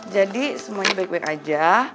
jadi semuanya baik baik aja